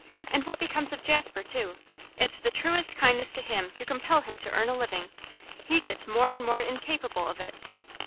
And what becomes of Jasper, too? It's the truest kindness to him to compel him to earn a living. He gets more and more incapable of it.